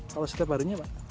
kalau setiap harinya